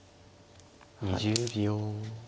２０秒。